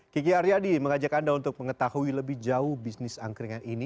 kiki aryadi mengajak anda untuk mengetahui lebih jauh bisnis angkringan ini